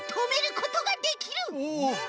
お！